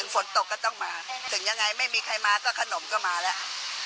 ฝนตกจะต้องมาก็ถึงยังไงไม่มีใครมาก็ขนมมาเหละ